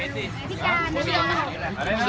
ที่ไหนที่ล่าง